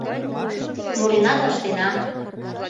Мурена да ыштена.